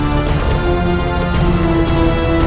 itu ada dana